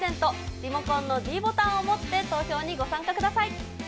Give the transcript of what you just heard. リモコンのｄボタンをもって、投票にご参加ください。